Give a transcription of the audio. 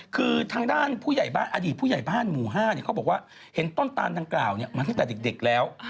คือทางด้านอดีตผู้ใหญ่บ้านหมู่ห้าเขาบอกว่าเห็นต้นตาลต่างกล่าวมันตั้งแต่เด็กแล้ว